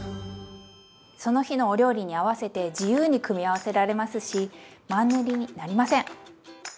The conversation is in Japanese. その日のお料理に合わせて自由に組み合わせられますしマンネリになりません！